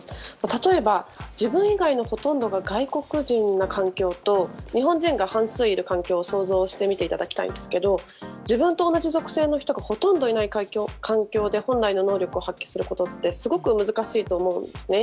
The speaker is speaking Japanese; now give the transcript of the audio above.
例えば自分以外のほとんどが外国人な環境と日本人が半数いる環境を想像してみていただきたいんですけども自分と同じ属性の人がほとんどいない環境で本来の能力を発揮することってすごく難しいと思うんですね。